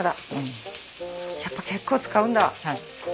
やっぱ結構使うんだ。